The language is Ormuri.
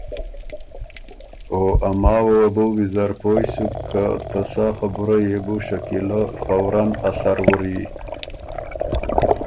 او ا ماوه وه بُو ویزر پویۡ سُک که ته سا خبُره يې بو شکیلۀ فوراً اثر وُری۔